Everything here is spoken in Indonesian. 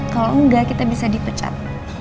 kalau enggak kita bisa dipecat